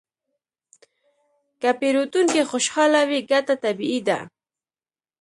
که پیرودونکی خوشحاله وي، ګټه طبیعي ده.